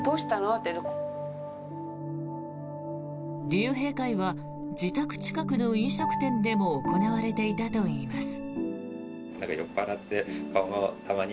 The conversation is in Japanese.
竜兵会は自宅近くの飲食店でも行われていたといいます。